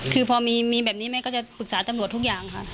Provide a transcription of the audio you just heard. คือพอมีแบบนี้แม่ก็จะปรึกษาตำรวจทุกอย่างค่ะ